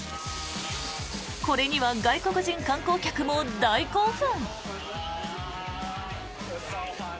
これには外国人観光客も大興奮。